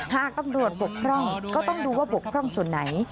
หากตำรวจบกพร่องก็ต้องดูว่าบกพร่องส่วนไหน